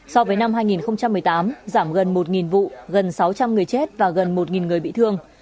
so với năm hai nghìn một mươi tám giảm gần một vụ gần sáu trăm linh người chết và gần một người bị thương